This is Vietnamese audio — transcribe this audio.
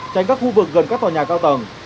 tránh các khu vực gần các tòa nhà cao tầng